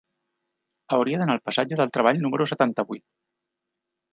Hauria d'anar al passatge del Treball número setanta-vuit.